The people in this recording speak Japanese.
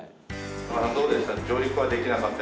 どうでした？